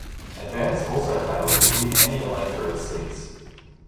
Advance also failed to win any electorate seats.